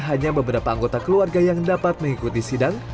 hanya beberapa anggota keluarga yang dapat mengikuti sidang